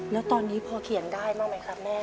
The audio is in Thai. แล้วตอนนี้พอเขียนได้มากมั้ยครับแม่